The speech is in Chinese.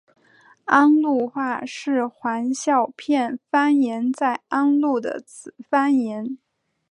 安陆话是黄孝片方言在安陆的子方言。